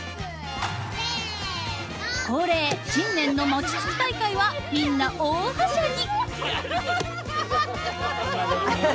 ［恒例新年の餅つき大会はみんな大はしゃぎ］